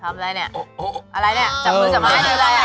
ทำอะไรเนี่ยอะไรเนี่ยจับมือสมัยหรืออะไร